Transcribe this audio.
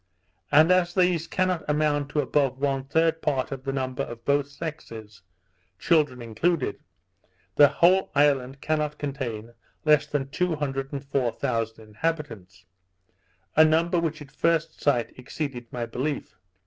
And as these cannot amount to above one third part of the number of both sexes, children included, the whole island cannot contain less than two hundred and four thousand inhabitants, a number which at first sight exceeded my belief.